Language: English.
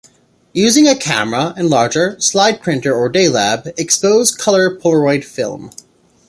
Using a camera, enlarger, slide printer or Day Lab, expose colour Polaroid film.